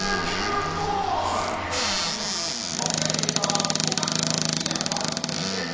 今回のネタは「おかんの好きな番組」です